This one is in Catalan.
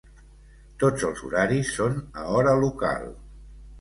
Tots els horaris són a hora local.